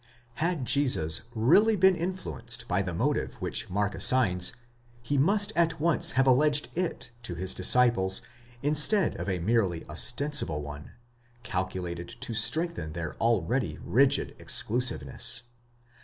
Had Jesus really been influenced by the motive which Mark assigns, he must at once have alleged it to his disciples instead of a merely ostensible one, calculated to strengthen their already rigid exclusiveness.